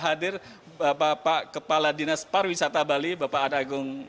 hadir bapak kepala dinas parwisata bali bapak adagung yuni ataputra